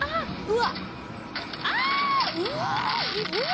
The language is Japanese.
うわっ！